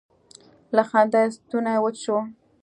له خندا یې ستونی وچ شو.